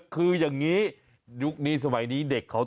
คุณทำไงล่ะก็อะไรชอบอะไร